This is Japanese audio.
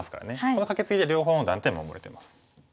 このカケツギで両方の断点を守れてます。